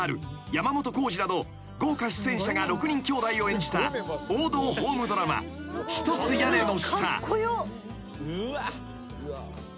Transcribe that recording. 山本耕史など豪華出演者が６人きょうだいを演じた王道ホームドラマ『ひとつ屋根の下』］